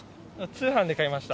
通販で買いました。